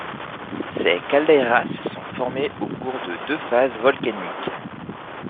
Ces caldeiras ce sont formées au cours de deux phases volcaniques.